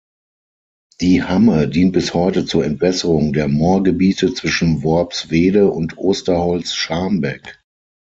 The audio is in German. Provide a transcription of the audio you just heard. Die Hamme dient bis heute zur Entwässerung der Moorgebiete zwischen Worpswede und Osterholz-Scharmbeck.